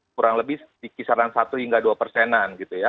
kurang lebih dikisaran satu hingga dua persenan gitu ya